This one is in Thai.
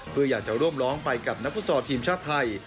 เพื่ออยากจะร่วมร้องไปกับนักฟุตซอลทีมชาติไทย